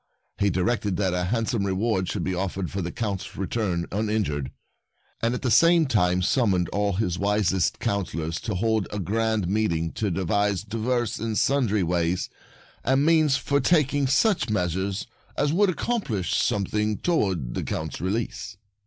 He directed that a handsome re ward should be offered for the Count's return uninjured, and at the same time summoned all his wisest councilors to hold a grand meeting to devise divers and sundry ways and means for taking such measures as would accomplish something toward the Count's release.